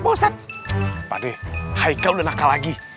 pak d haikal udah nakal lagi